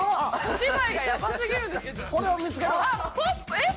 えっ。